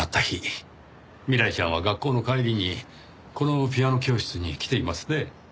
日未来ちゃんは学校の帰りにこのピアノ教室に来ていますね？